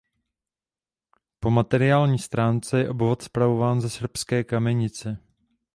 Po materiální stránce je obvod spravován ze Srbské Kamenice.